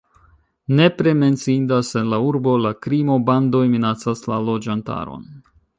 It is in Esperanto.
Nepre menciindas en la urbo la krimo, bandoj minacas la loĝantaron.